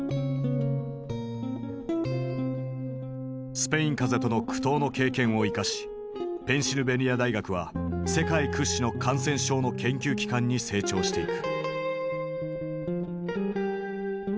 スペイン風邪との苦闘の経験を生かしペンシルベニア大学は世界屈指の感染症の研究機関に成長していく。